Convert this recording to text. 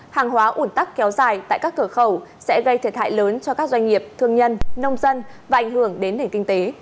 hàng hóa ủn tắc kéo dài tại các cửa khẩu sẽ gây thiệt hại lớn cho các doanh nghiệp thương nhân nông dân và ảnh hưởng đến nền kinh tế